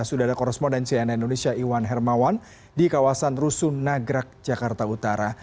sudah ada korosmo dan cna indonesia iwan hermawan di kawasan rusun nagrak jakarta utara